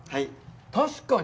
確かに。